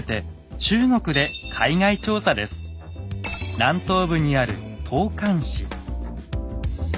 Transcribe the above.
南東部にある東莞市。